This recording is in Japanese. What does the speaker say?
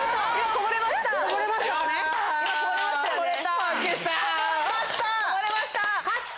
こぼれました！